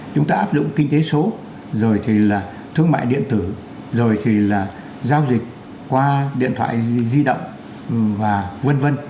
chúng ta áp dụng kinh tế số rồi thì là thương mại điện tử rồi thì là giao dịch qua điện thoại di động và v v